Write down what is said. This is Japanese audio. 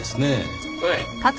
おい。